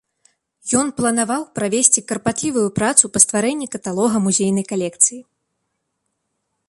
Ён планаваў правесці карпатлівую працу па стварэнні каталога музейнай калекцыі.